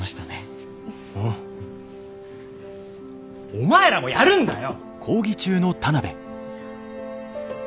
お前らもやるんだよ！